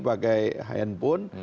lalu dikoneksi pakai handphone